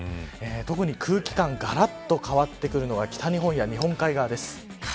特に空気感がらっと変わってくるのが北日本や日本海側です。